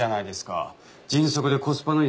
迅速でコスパのいい捜査です。